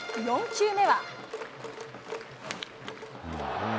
４球目は。